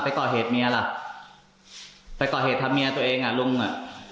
ก่อเหตุเมียล่ะไปก่อเหตุทำเมียตัวเองอ่ะลุงอ่ะ